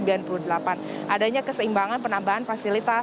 adanya keseimbangan penambahan fasilitas